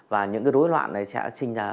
và những cái rối loạn này sẽ sinh ra